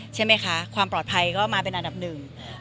ใช่ไหมคะความปลอดภัยก็มาเป็นอันดับหนึ่ง